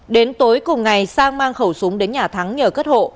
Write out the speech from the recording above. đến tối cùng ngày sang mang khẩu súng đến nhà thắng nhờ cất hộ